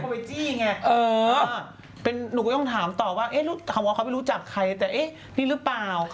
เขาไปจี้ไงหนูก็ย้องถามตอบว่าเขาไม่รู้จักใครแต่นี่หรือเปล่า